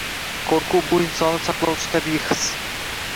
Qo‘rquv bu insonni saqlovchi tabiiy his.